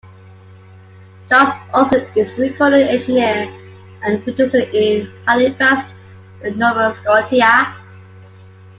Charles Austin is a recording engineer and producer in Halifax, Nova Scotia.